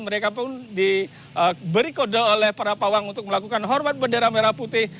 mereka pun diberi kode oleh para pawang untuk melakukan hormat bendera merah putih